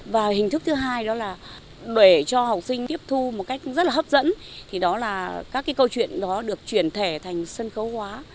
và hình thức thứ hai đó là để cho học sinh tiếp thu một cách rất là hấp dẫn thì đó là các cái câu chuyện đó được chuyển thể thành sân khấu hóa